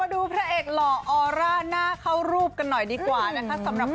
พระเอกหล่อออร่าหน้าเข้ารูปกันหน่อยดีกว่านะคะสำหรับ